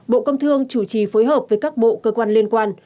bộ công thương chủ trì phối hợp với các bộ cơ quan liên quan